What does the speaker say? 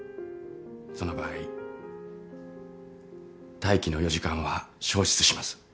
その場合待機の４時間は消失します。